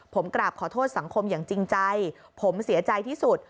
ผมกราบขอโทษสังคมอย่างจริงใจผมเสียใจที่สุด